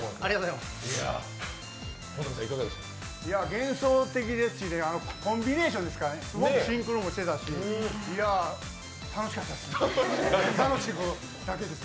原則的ですし、コンビネーションですか、すごくシンクロもしてたし、いや、楽しかったです、楽しいことだけです。